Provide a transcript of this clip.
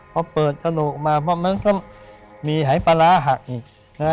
พอเปิดกระโลกมามันก็มีหายปราหักอีก